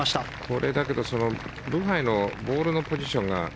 これ、だけどブハイのボールのポジションが。